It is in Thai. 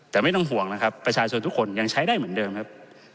แต่ไม่ต้องห่วงนะครับประชาชนทุกคนยังใช้ได้เหมือนเดิมครับ